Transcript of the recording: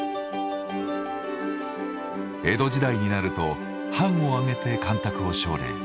江戸時代になると藩を挙げて干拓を奨励。